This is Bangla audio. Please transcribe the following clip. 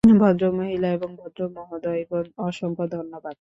ভদ্রমহিলা এবং ভদ্রমহোদয়গণ, অসংখ্য ধন্যবাদ।